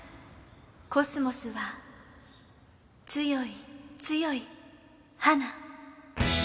コスモスは強い強い花。